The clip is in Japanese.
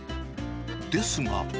ですが。